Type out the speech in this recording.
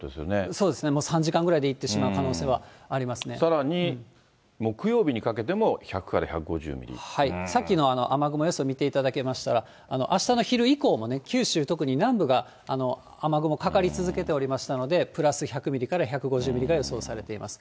そうですね、もう３時間ぐらいでいってしまう可能性はありまさらに木曜日にかけても１０さっきの雨雲予想を見ていただけましたら、あしたの昼以降もね、九州、特に南部が雨雲かかり続けておりましたので、プラス１００ミリから１５０ミリくらいを予想されています。